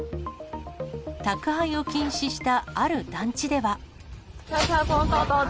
宅配を禁止したある団地では。